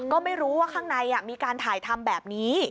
ก็ไม่รู้ว่าข้างในมีการถ่ายทำแบบนี้